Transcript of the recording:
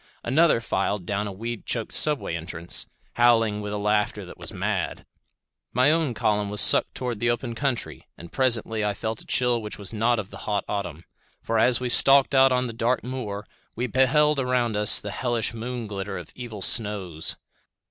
Another filed down a weed choked subway entrance, howling with a laughter that was mad. My own column was sucked toward the open country, and presently felt a chill which was not of the hot autumn; for as we stalked out on the dark moor, we beheld around us the hellish moon glitter of evil snows.